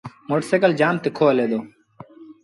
موٽر سآئيٚڪل جآم تکو هلي دو۔